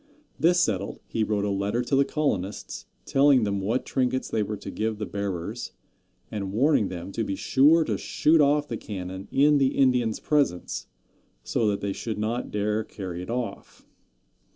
This settled, he wrote a letter to the colonists, telling them what trinkets they were to give the bearers, and warning them to be sure to shoot off the cannon in the Indians' presence, so that they should not dare carry it off.